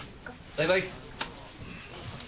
バイバイ。